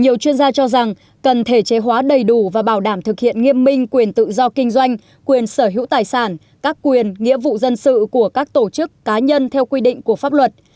nhiều chuyên gia cho rằng cần thể chế hóa đầy đủ và bảo đảm thực hiện nghiêm minh quyền tự do kinh doanh quyền sở hữu tài sản các quyền nghĩa vụ dân sự của các tổ chức cá nhân theo quy định của pháp luật